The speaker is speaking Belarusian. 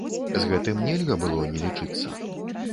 З гэтым нельга было не лічыцца.